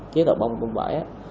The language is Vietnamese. kế tạo bông bãi á